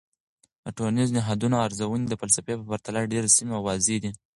د ټولنیزو نهادونو ارزونې د فلسفې په پرتله ډیر سمی او واضح دي.